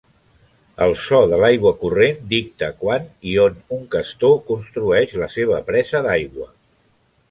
El so de l'aigua corrent dicta quan i on un castor construeix la seva presa d'aigua.